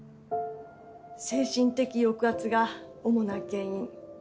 精神的抑圧が主な原因。